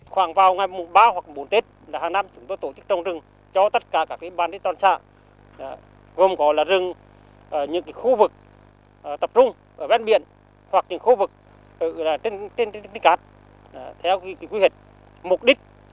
khoảng vào ngày ba hoặc bốn tết hàng năm chúng tôi tổ chức trồng rừng cho tất cả các ban đất toàn xã gồm có rừng những khu vực tập trung ở bên biển hoặc những khu vực ở trên đất cát theo quy hoạch mục đích